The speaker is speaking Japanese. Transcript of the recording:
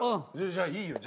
じゃあいいよ。